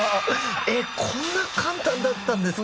えっこんな簡単だったんですか。